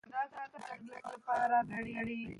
فضا ته د تګ لپاره ځانګړي کالي پکار دي.